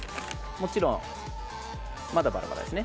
もちろんまだバラバラです。